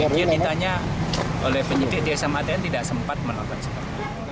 dia ditanya oleh penyidik dia sama hati hati tidak sempat menonton sebuah film